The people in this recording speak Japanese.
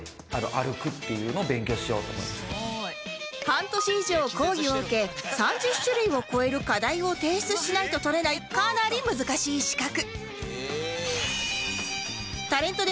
半年以上講義を受け３０種類を超える課題を提出しないと取れないかなり難しい資格